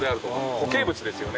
固形物ですよね